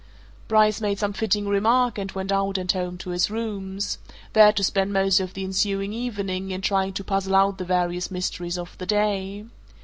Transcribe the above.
Bryce made some fitting remark and went out and home to his rooms there to spend most of the ensuing evening in trying to puzzle out the various mysteries of the day.